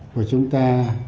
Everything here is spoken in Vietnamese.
của chúng ta